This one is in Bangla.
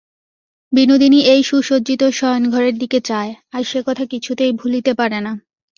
বিনোদিনী এই সুসজ্জিত শয়নঘরের দিকে চায়, আর সে কথা কিছুতেই ভুলিতে পারে না।